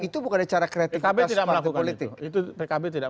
itu bukan ada cara kreatifitas partai politik